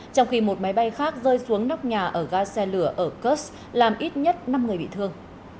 trong khi một máy bay khác rơi xuống nóc nhà ở ga xe lửa ở kursk làm ít nhất năm người bị thương